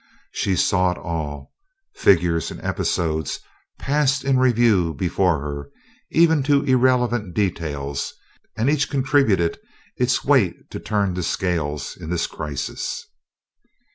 She saw it all figures and episodes passed in review before her, even to irrelevant details, and each contributed its weight to turn the scales in this crisis.